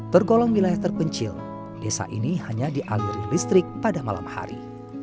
tergolong wilayah terpencil desa ini hanya dialiri listrik pada malam hari